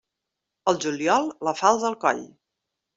Al juliol, la falç al coll.